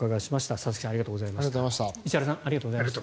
佐々木さん、石原さんありがとうございました。